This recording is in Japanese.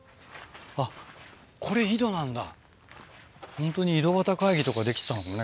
ホントに井戸端会議とかできちゃうもんね